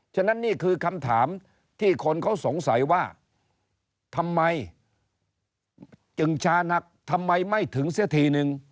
ฉะนั้นนี่คือคำถามที่คนเขาสงสัยว่าทำไมจึงชานักทำไมไม่ถึงเสียทีนึง